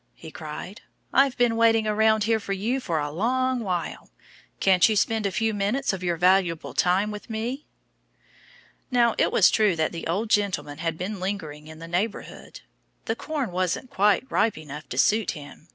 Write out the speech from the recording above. he cried. "I've been waiting around here for you for a long while. Can't you spend a few moments of your valuable time with me!" Now, it was true that the old gentleman had been lingering in the neighborhood. The corn wasn't quite ripe enough to suit him.